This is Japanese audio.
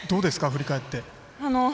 振り返って。